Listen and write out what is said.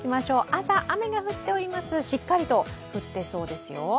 朝雨が降っております、しっかりと降ってそうですよ。